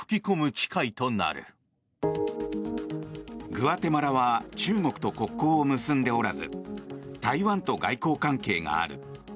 グアテマラは中国と国交を結んでおらず台湾と外交関係がある。